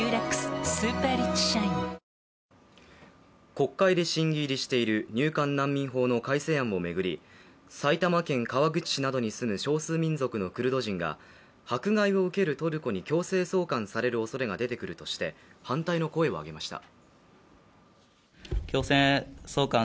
国会で審議入りしている入管難民法の改正案を巡り埼玉県川口市などに住む少数民族のクルド人が迫害を受けるトルコに強制送還される恐れが出てくるとして反対の声を上げました。